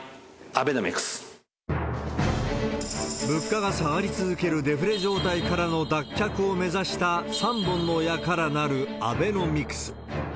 物価が下がり続けるデフレ状態からの脱却を目指した、３本の矢からなるアベノミクス。